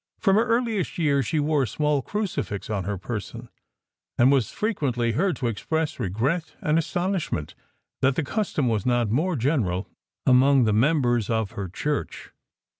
From her earliest years she wore a small crucifix on her person, and was frequently heard to express regret and astonishment that the custom was not more general among the members of her church.